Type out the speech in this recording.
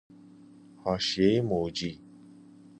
حاشیه موجی